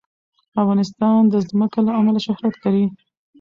افغانستان د ځمکه له امله شهرت لري.